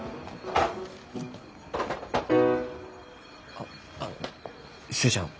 あっあの寿恵ちゃん